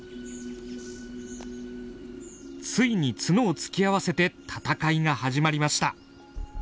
ついに角を突き合わせて闘いが始まりました。